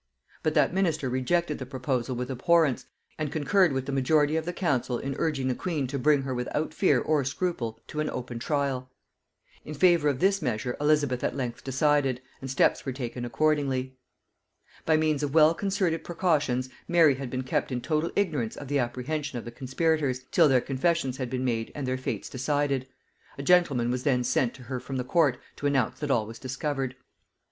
But that minister rejected the proposal with abhorrence, and concurred with the majority of the council in urging the queen to bring her without fear or scruple to an open trial. In favor of this measure Elizabeth at length decided, and steps were taken accordingly. By means of well concerted precautions, Mary had been kept in total ignorance of the apprehension of the conspirators, till their confessions had been made and their fates decided: a gentleman was then sent to her from the court to announce that all was discovered.